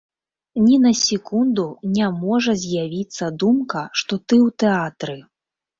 Ні на секунду не можа з'явіцца думка, што ты ў тэатры.